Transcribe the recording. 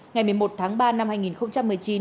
ngày một mươi một tháng ba năm hai nghìn một mươi chín